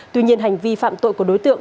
tuy nhiên hành vi phạm tội của đối tượng